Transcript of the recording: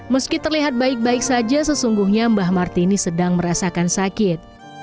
meski terlihat baik baik saja sesungguhnya mbah martini sedang merasakan sakit